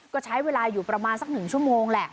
ก็ใช้เวลาอยู่ประมาณสัก๑ชั่วโมงแหละ